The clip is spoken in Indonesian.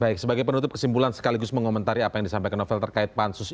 baik sebagai penutup kesimpulan sekaligus mengomentari apa yang disampaikan novel terkait pansus